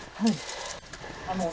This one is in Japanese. はい。